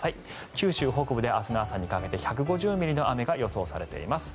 九州北部で明日の朝にかけて１５０ミリの雨が予想されています。